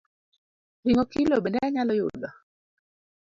Ring’o kilo bende anyalo yudo?